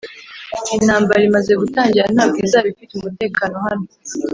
intambara imaze gutangira, ntabwo izaba ifite umutekano hano